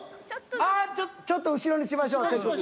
ちょっと後ろにしましょう手首を。